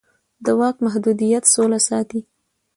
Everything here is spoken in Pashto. د واک محدودیت سوله ساتي